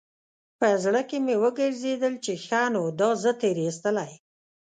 په زړه کښې مې وګرځېدل چې ښه نو دا زه تېر ايستلى.